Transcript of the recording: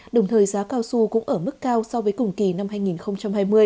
đồng thời giá cao su cũng ở mức cao so với cùng kỳ năm hai nghìn hai mươi